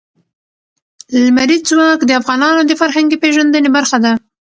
لمریز ځواک د افغانانو د فرهنګي پیژندنې برخه ده.